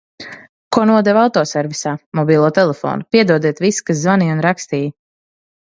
Ko nodevu autoservisā, mobilo telefonu. Piedodiet visi, kas zvanīja un rakstīja.